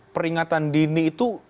peringatan dini itu